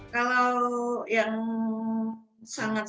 kalau yang sangat sakit